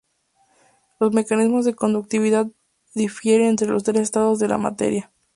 Los mecanismos de conductividad difieren entre los tres estados de la materia.